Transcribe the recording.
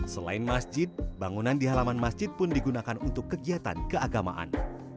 selain masjid bangunan di halaman masjid pun digunakan untuk kegiatan keagamaan